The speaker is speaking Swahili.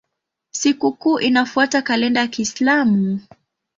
Sikukuu inafuata kalenda ya Kiislamu.